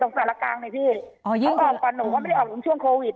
ตรงศาลกลางเนี้ยพี่อ๋อยื่นก่อนหนูเขาไม่ได้ออกถึงช่วงโควิด